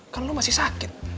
kan lu masih sakit